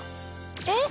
えっ！